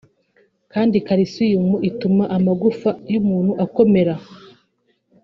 kandi Calcium ituma amagufa y’umuntu akomera